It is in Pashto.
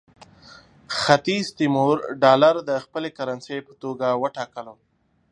ختیځ تیمور ډالر د خپلې کرنسۍ په توګه وټاکلو.